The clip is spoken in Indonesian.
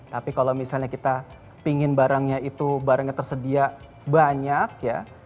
tapi kalau misalnya kita pingin barangnya itu barangnya tersedia banyak ya